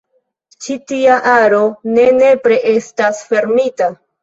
Ĉi tia aro ne nepre estas fermita.